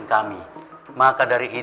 aku akan gunakan waktu ini